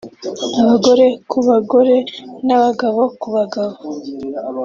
abagore ku bagore n’abagabo ku bagabo